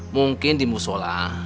mungkin di musola